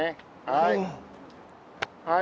はい。